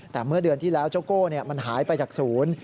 แต่เมื่อเดือนที่แล้วเจ้าโก้มันหายไปจากศูนย์